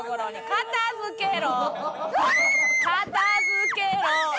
片づけろ。